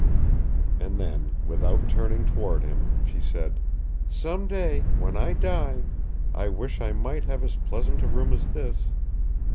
And then, without turning toward him, she said, "Some day, when I die, I wish I might have as pleasant a room as this."